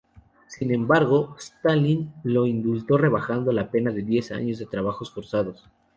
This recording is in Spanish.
Sin embargo, Stalin lo indultó rebajando la pena a diez años de trabajos forzados.